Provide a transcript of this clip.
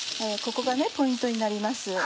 ここがポイントになります。